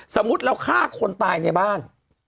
สมมุติเราฆ่าคนตายในบ้าน